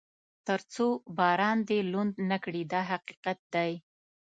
تر څو باران دې لوند نه کړي دا حقیقت دی.